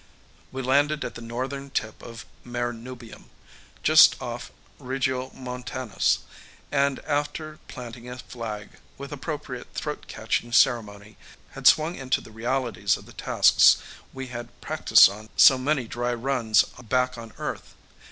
We landed at the northern tip of Mare Nubium, just off Regiomontanus, and, after planting a flag with appropriate throat catching ceremony, had swung into the realities of the tasks we had practiced on so many dry runs back on Earth.